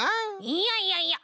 いやいやいや！